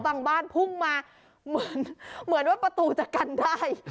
บางบ้านพุ่งมาเหมือนว่าประตูจะกันได้